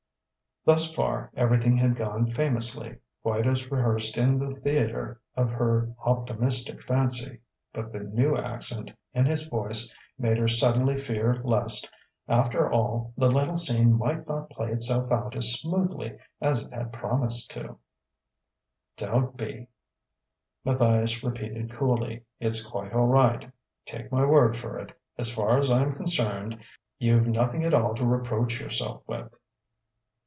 Thus far everything had gone famously, quite as rehearsed in the theatre of her optimistic fancy; but the new accent in his voice made her suddenly fear lest, after all, the little scene might not play itself out as smoothly as it had promised to. "Don't be," Matthias repeated coolly. "It's quite all right. Take my word for it: as far as I'm concerned you've nothing at all to reproach yourself with."